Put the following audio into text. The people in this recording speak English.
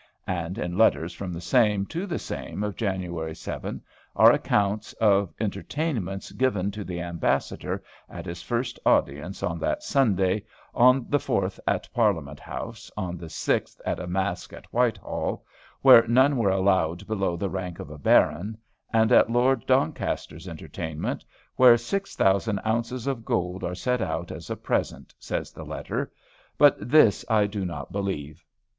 And in letters from the same to the same, of January 7, are accounts of entertainments given to the Ambassador at his first audience (on that Sunday), on the 4th at Parliament House, on the 6th at a masque at Whitehall, where none were allowed below the rank of a Baron and at Lord Doncaster's entertainment where "six thousand ounces of gold are set out as a present," says the letter, but this I do not believe.